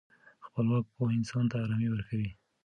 خپلواکه پوهه انسان ته ارامي ورکوي.